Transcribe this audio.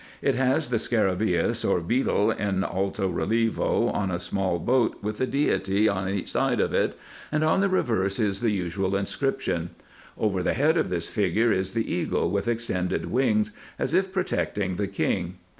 It has the scarabceus or beetle in IN EGYPT, NUBIA, &c. 245 alto relievo on a small boat with a deity on each side of it, and on the reverse is the usual inscription. Over the head of this figure is the eagle with extended wings, as if protecting the king.